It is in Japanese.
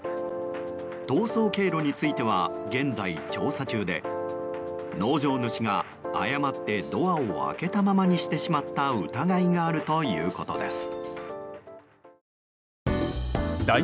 逃走経路については現在、調査中で農場主が誤ってドアを開けたままにしてしまった疑いがあるということです。